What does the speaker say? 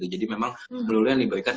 jadi memang sebelumnya yang diberikan